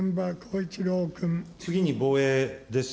次に防衛です。